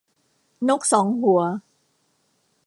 นกสองหัว